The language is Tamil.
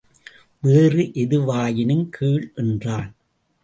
வேறு எதுவாயினும் கேள் என்றான்.